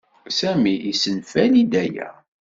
Sami yessenfali-d aya.